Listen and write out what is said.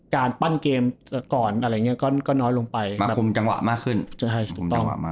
การปั้นเกมก่อนอะไรอย่างนี้ก็น้อยลงไปคุมจังหวะมากขึ้นใช่ถูกต้อง